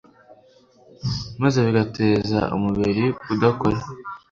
maze bigateza umubiri kudakora